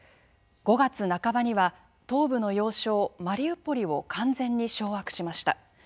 ５月半ばには東部の要衝マリウポリを完全に掌握しました。